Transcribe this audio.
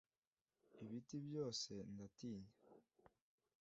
Ibiti byose ndatinya